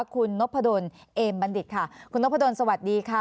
คุณนพดลเอมบัณฑิตค่ะคุณนพดลสวัสดีค่ะ